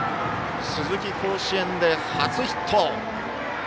鈴木、甲子園で初ヒット。